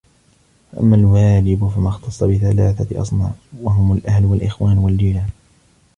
فَأَمَّا الْوَاجِبُ فَمَا اخْتَصَّ بِثَلَاثَةِ أَصْنَافٍ وَهُمْ الْأَهْلُ وَالْإِخْوَانُ وَالْجِيرَانُ